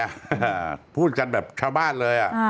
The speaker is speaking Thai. ผมพูดกันแบบชาวบ้านเลย